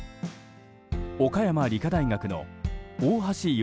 岡山理科大学の大橋唯